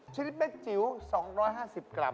ชิ้นเป็ดจิ๋ว๒๕๐กรัม